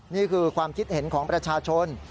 นี่คือความคิดเห็นของประชาชน